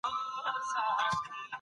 دغه کڅوڼه په رښتیا ډېره پخوانۍ وه.